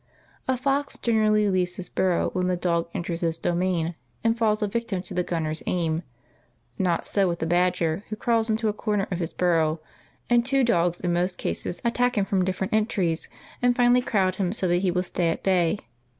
A fox generally leaves his burrow when the dog enters his domain and falls a victim to the gunner's aim; not so with the badger, who crawl into a corner of his burrow, and two dogs in most cases attack him from different entries, and finally crowd him so that he will stay at bay.